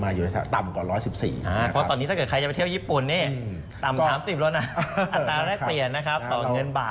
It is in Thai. อันตรายได้เสียบเงินบาทนะครับ